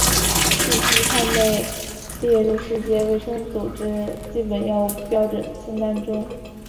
地西泮被列入世界卫生组织基本药物标准清单中。